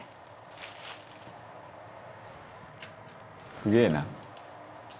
「すげえな」